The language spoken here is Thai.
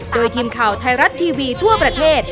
โดยทีมข่าวไทยรัฐทีวีทั่วประเทศ